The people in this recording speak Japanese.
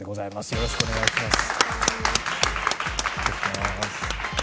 よろしくお願いします。